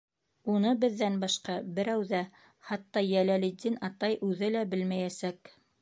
Уны беҙҙән башҡа берәү ҙә, хатта Йәләлетдин атай үҙе лә белмәйәсәк.